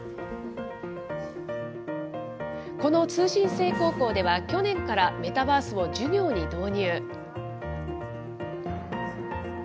この通信制高校では、去年からメタバースを授業に導入。